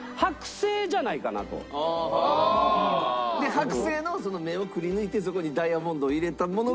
剥製の目をくりぬいてそこにダイヤモンドを入れたものが。